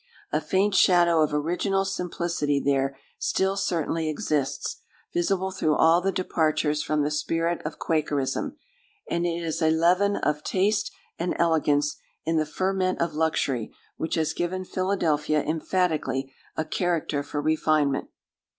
A faint shadow of original simplicity there still certainly exists, visible through all the departures from the spirit of Quakerism; and it is a leaven of taste and elegance in the ferment of luxury which has given Philadelphia emphatically a character for refinement.